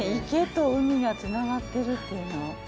池と海が繋がってるっていうのは。